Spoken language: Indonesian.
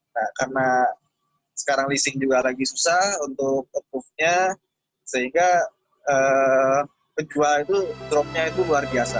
nah karena sekarang leasing juga lagi susah untuk outpoof nya sehingga penjualan itu drop nya itu luar biasa